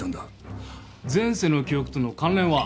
前世の記憶との関連は？